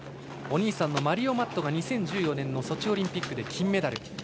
お兄さんのマリオ・マットが２０１４年のソチオリンピックで銀メダル。